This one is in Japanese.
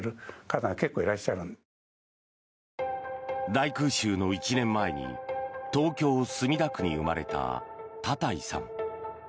大空襲の１年前に東京・墨田区に生まれた多田井さん。